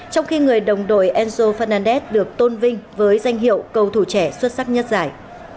trong khi người đồng đội ango fernandez được tôn vinh với danh hiệu cầu thủ trẻ xuất sắc nhất giải